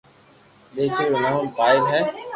ديڪري رو نوم پايل ھي